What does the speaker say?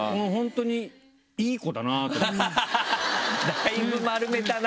だいぶ丸めたな！